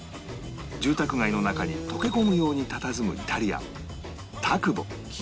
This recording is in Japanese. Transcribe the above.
住宅街の中に溶け込むようにたたずむ